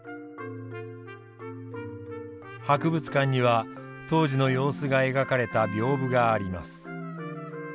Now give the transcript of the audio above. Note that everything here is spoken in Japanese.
博物館には当時の様子が描かれた屏風があります。